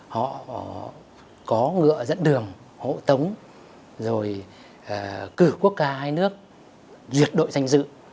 họ có ngựa dẫn đường hộ tống rồi cử quốc ca hai nước duyệt đội danh dự